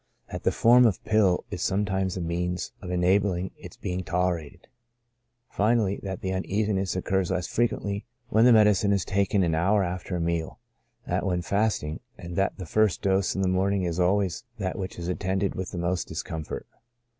That the form of pill is sometimes a means of enabling its being tolerated. Finally, that the uneasiness occurs less frequently when the medicine is taken an hour after a meal, than when fast ing, and that the first dose in the morning is always that which is attended with the most discomfort.